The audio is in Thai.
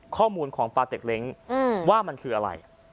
ข้อมูลของปาเต็กเล้งว่ามันคืออะไร